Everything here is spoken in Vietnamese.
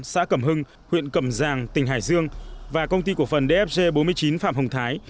xã cầm hưng huyện cầm giàng tỉnh hải dương và công ty của phần dfg bốn mươi chín phạm hồng thái